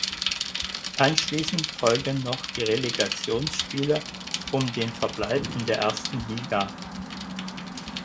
Anschließend folgen noch die Relegationsspiele um den Verbleib in der ersten Liga.